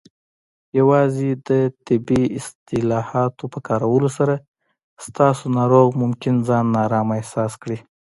یوازې د طبي اصطلاحاتو په کارولو سره، ستاسو ناروغ ممکن ځان نارامه احساس کړي.